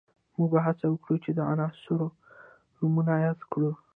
موږ به هڅه وکړو چې د عناصرو نومونه یاد کړو